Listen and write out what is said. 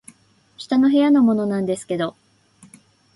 「下の部屋のものなんですけど」